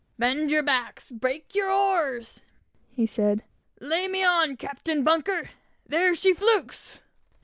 "Bend your backs and break your oars!" said he. "Lay me on, Captain Bunker!" "There she flukes!"